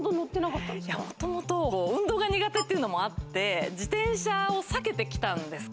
もともと運動が苦手っていうのもあって、自転車を避けてきたんです。